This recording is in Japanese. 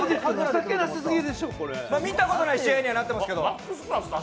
見たことない試合にはなってますけど。